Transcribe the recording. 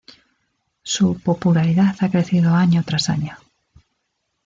Su popularidad ha crecido año tras año.